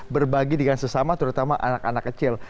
berbagi dengan sesama terutama anak anak kecil